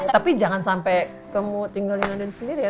tapi jangan sampai kamu tinggal dengan andin sendiri ya